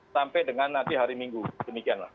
sampai dengan nanti hari minggu demikianlah